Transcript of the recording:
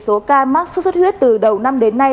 số ca mắc sốt xuất huyết từ đầu năm đến nay